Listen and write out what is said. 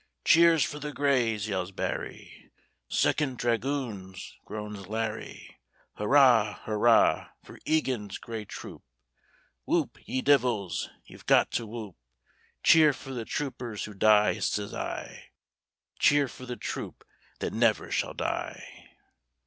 "Cheers for the Greys!" yells Barry; "Second Dragoons!" groans Larry; Hurrah! hurrah! for Egan's Grey Troop! Whoop! ye divils ye've got to whoop; Cheer for the troopers who die: sez I "Cheer for the troop that never shall die!"